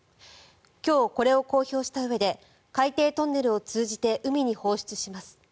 今日、これを公表したうえで海底トンネルを通じて海に放出します。